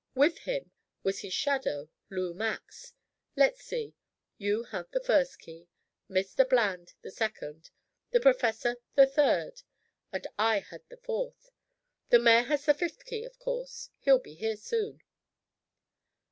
With him was his shadow, Lou Max. Let's see you had the first key, Mr. Bland the second, the professor the third, and I had the fourth. The mayor has the fifth key, of course. He'll be here soon."